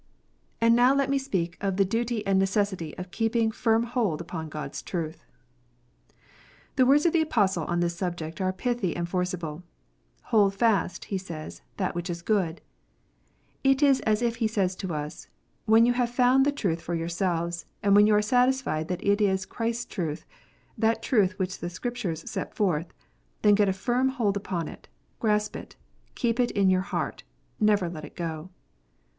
And now let me speak of the duty and necessity of keeping firm hold upon God s truth. The words of the Apostle on this subject are pithy and forcible. " Hold fast," he says, "that which is good." It is as if he said to us, "When you have found the truth for your self, and when you are satisfied that it is Christ s truth, that truth which the Scriptures set forth, then get a firm hold upon it, grasp it, keep it in your heart, never let it go."